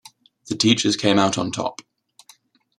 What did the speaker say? The teachers came out on top.